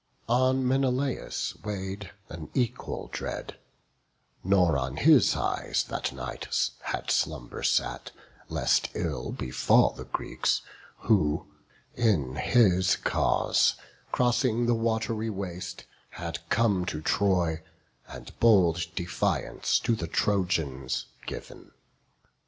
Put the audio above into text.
On Menelaus weigh'd an equal dread; Nor on his eyes that night had slumber sat, Lest ill befall the Greeks; who, in his cause, Crossing the wat'ry waste, had come to Troy, And bold defiance to the Trojans giv'n.